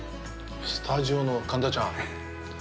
スタジオの神田ちゃん！